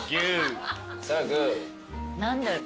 何だろう